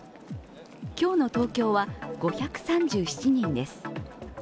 今日の東京は５３７人です。